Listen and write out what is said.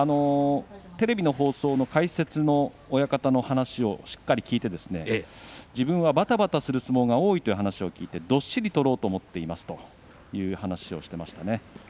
テレビの放送の解説の親方の話をしっかりと聞いて自分は、ばたばたする相撲が多いということどっしり取ろうということを話をしていました。